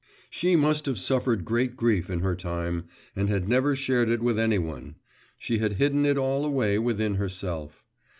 She must have suffered great grief in her time, and had never shared it with any one; she had hidden it all away within herself.